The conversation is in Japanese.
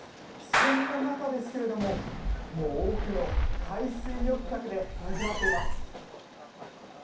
そんな中ですけどももう、多くの海水浴客でにぎわっています。